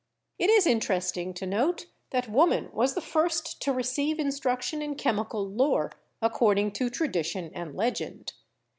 It is interesting to note that woman was the first to receive instruction in chemical lore, ac cording to tradition and legend.